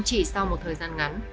chỉ sau một thời gian ngắn